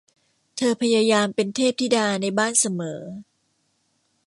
เธอพยายามเป็นเทพธิดาในบ้านเสมอ